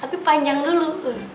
tapi panjang dulu